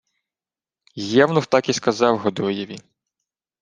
Євнух так і сказав Годоєві: